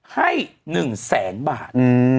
ให้๑แสนบาท